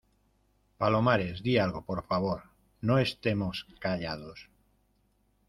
palomares, di algo. por favor , no estemos callados .